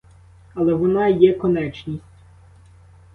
Але вона є конечність.